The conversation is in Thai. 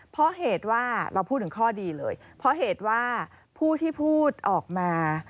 เพราะเหตุว่าเราพูดถึงข้อดีเลยเพราะเหตุว่าผู้ที่พูดออกมา